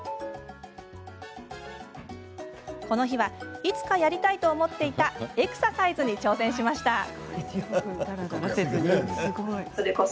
この日はいつかやりたいと思っていたエクササイズに挑戦しました。